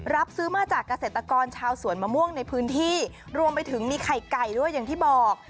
รับซื้อมาจากเกษตรกรชาวสวนมะม่วงในพื้นที่รวมไปถึงมีไข่ไก่ด้วยอย่างที่บอก